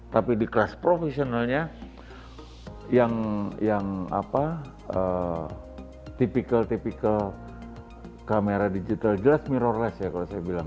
tapi di kelas profesionalnya yang tipikal tipikal kamera digital jelas mirrorless ya kalau saya bilang